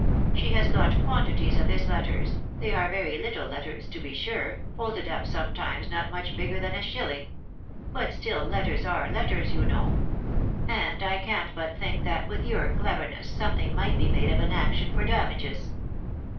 She has got quantities of his letters .... they are very little letters, to be sure, folded up sometimes not much bigger than a shilling ; but still letters are letters, you know ; and I can't but think that, with your cleverness, something might be made of an action for damages.